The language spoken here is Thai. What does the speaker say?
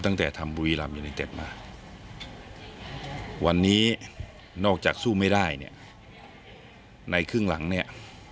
ตั้งแต่ทำบุรีรำยูเนเต็ดมาวันนี้นอกจากสู้ไม่ได้เนี่ยในครึ่งหลังเนี่ย